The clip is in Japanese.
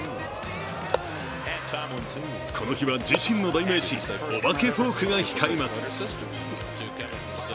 この日は自身の代名詞・お化けフォークが光ります。